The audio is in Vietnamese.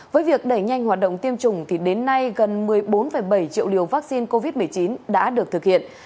với việc đẩy nhanh hoạt động tiêm chủng đến nay gần một mươi bốn bảy triệu liều vaccine covid một mươi chín đã được thực hiện